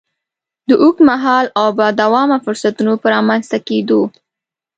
د اوږد مهالو او با دوامه فرصتونو په رامنځ ته کېدو.